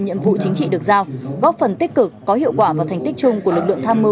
nhiệm vụ chính trị được giao góp phần tích cực có hiệu quả và thành tích chung của lực lượng tham mưu